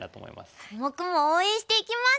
コモクも応援していきます！